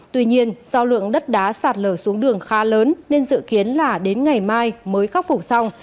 tuy nhiên do lượng đất đá sạt lở xuống đường khá lớn nên dự kiến là đến ngày mai mới khắc phục xong